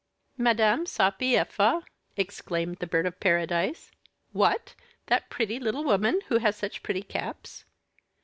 "Madame Sapiepha!" exclaimed the Bird of Paradise. "What! that pretty little woman who has such pretty caps?"